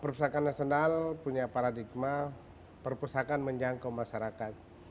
perpustakaan nasional punya paradigma perpustakaan menjangkau masyarakat